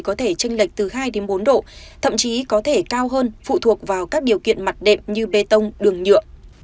có thể tranh lệch từ hai đến bốn độ thậm chí có thể cao hơn phụ thuộc vào các điều kiện mặt đệm như bê tông đường nhựa